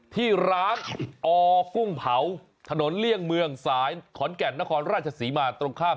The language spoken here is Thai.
ที่ร้านอกุ้งเผาถนนเลี่ยงเมืองสายขอนแก่นนครราชศรีมาตรงข้าม